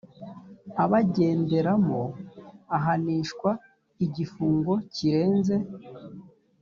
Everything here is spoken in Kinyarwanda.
abagenderamo ahanishwa igifungo kirenze